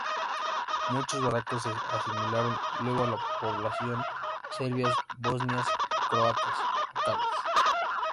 Muchos valacos se asimilaron luego a las poblaciones serbias, bosnias y croatas locales.